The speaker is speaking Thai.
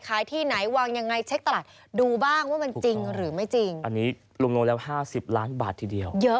ขายที่ไหนวางยังไงเช็คตลาด